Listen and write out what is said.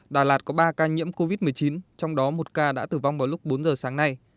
đà lạt có ba ca nhiễm covid một mươi chín trong đó một ca đã tử vong vào lúc bốn giờ sáng nay